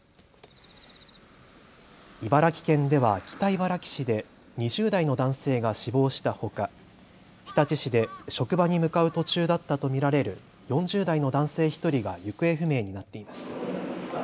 茨城県では北茨城市で２０代の男性が死亡したほか日立市で職場に向かう途中だったと見られる４０代の男性１人が行方不明になっています。